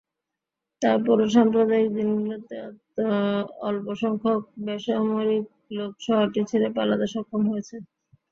এরপরও সাম্প্রতিক দিনগুলোতে অল্পসংখ্যক বেসামরিক লোক শহরটি ছেড়ে পালাতে সক্ষম হয়েছে।